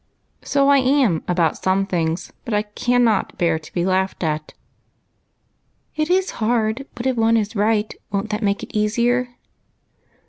" So I am about some things, but I cannot bear to be laughed at." " It is hard, but if one is right won't that make it easier